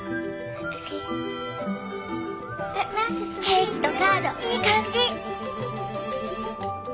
ケーキとカードいい感じ！